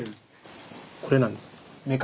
これなんです。